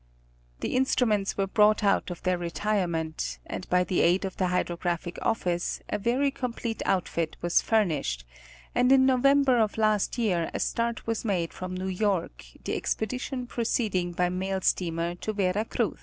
The instruments were brought out of their retirement, and by the aid of the Hydrographic Office a very complete outfit was furnished, and in November of last year a start was made from New York, the expedition proceeding by mail steamer to Vera Cruz.